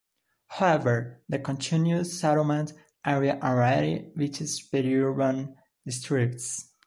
However, the continuous settlement area already reaches periurban districts.